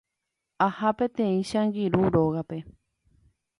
Aha peteĩ che angirũ rógape.